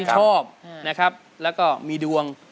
โจทย์มาเลยครับ